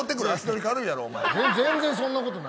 そんなことない。